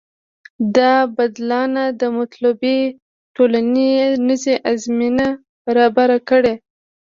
دا بدلانه د مطلوبې ټولنې زمینه برابره کړي.